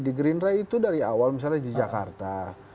di green ray itu dari awal misalnya di jakarta